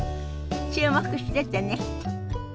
注目しててね。